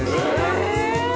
へえ。